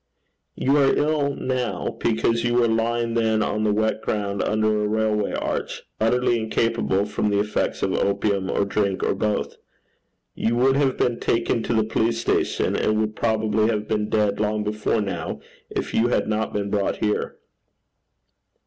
'You are ill now because you were lying then on the wet ground under a railway arch utterly incapable from the effects of opium, or drink, or both. You would have been taken to the police station, and would probably have been dead long before now, if you had not been brought here.'